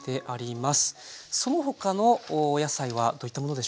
その他のお野菜はどういったものでしょうか？